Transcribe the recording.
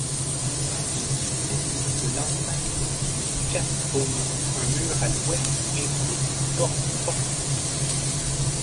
Il subsiste de l'enceinte du castrum un mur à l'ouest ainsi qu'une porte fortifiée.